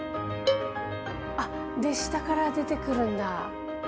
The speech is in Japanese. あっで下から出てくるんだ。